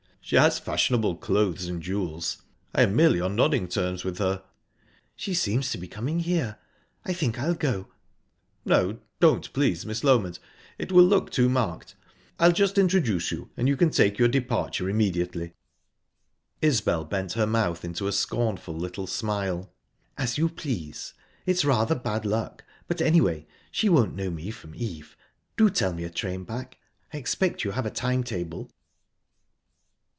She has fashionable clothes and jewels. I am merely on nodding terms with her." "She seems to be coming here. I think I'll go." "No don't, please, Miss Loment! It will look too marked. I'll just introduce you and you can take your departure immediately." Isbel bent her mouth into a scornful little smile. "As you please. It's rather bad luck, but, anyway, she won't know me from Eve...Do tell me a train back. I expect you have a time table."